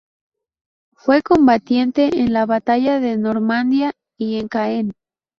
Fue combatiente en la Batalla de Normandía y en Caen.